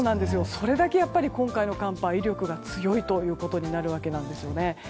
それだけ今回の寒波は威力が強いということになるわけですね。